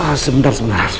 eh sebentar sebentar